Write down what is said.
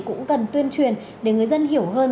cũng cần tuyên truyền để người dân hiểu hơn